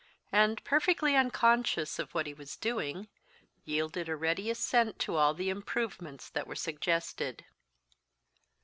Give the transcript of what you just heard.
and, perfectly unconscious of what he was doing, yielded a ready assent to all the improvements that were suggested.